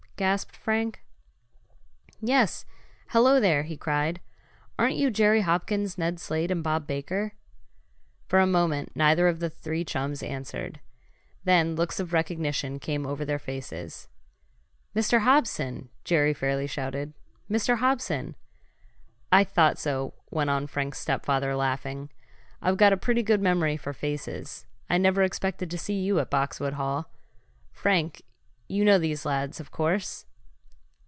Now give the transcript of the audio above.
gasped Frank. "Yes. Hello there!" he cried. "Aren't you Jerry Hopkins, Ned Slade and Bob Baker?" For a moment neither of the three chums answered. Then looks of recognition came over their faces. "Mr. Hobson!" Jerry fairly shouted. "Mr. Hobson!" "I thought so," went on Frank's stepfather, laughing. "I've got a pretty good memory for faces. I never expected to see you at Boxwood Hall. Frank, you know these lads, of course?"